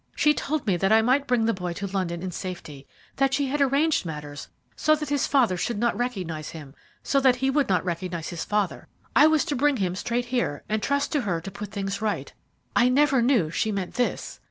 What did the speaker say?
She told me that I might bring the boy to London in safety that she had arranged matters so that his father should not recognize him so that he would not recognize his father. I was to bring him straight here, and trust to her to put things right. I never knew she meant this.